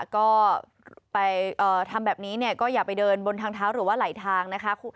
ก็ไปทำแบบนี้เนี่ยก็อย่าไปเดินบนทางเท้าหรือว่าไหลทางนะคะ